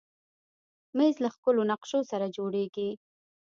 مېز له ښکلو نقشو سره جوړېږي.